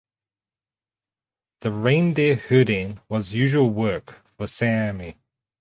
The reindeer herding was usual work for Saami.